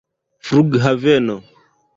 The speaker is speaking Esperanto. flughaveno